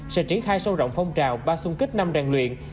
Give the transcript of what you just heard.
sẽ triển khai sâu rộng phong trào ba sung kích năm ràng luyện